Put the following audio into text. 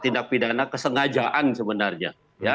tindak pidana kesengajaan sebenarnya